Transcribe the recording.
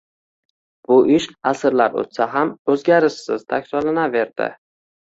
Bu ish asrlar o‘tsa ham, o‘zgarishsiz takrorlanaverdi